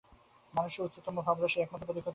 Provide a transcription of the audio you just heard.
মানুষের উচ্চতম ভাবরাশির একমাত্র প্রতীক হইতেছে শব্দ।